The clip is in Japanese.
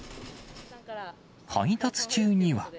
配達中には。